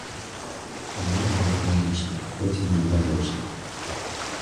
Па-мойму, гэта лагічна, хоць і не відавочна.